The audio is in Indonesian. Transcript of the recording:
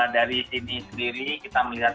dari sini sendiri kita melihat